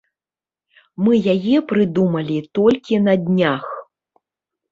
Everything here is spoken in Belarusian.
Мы яе прыдумалі толькі на днях.